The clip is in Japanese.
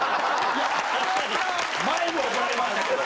前も怒られましたけど。